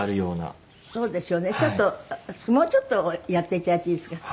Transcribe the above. そうですよねちょっともうちょっとやっていただいていいですか？